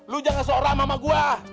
lu jangan seorang sama gua